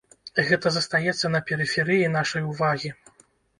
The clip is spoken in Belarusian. Гэта застаецца на перыферыі нашай увагі.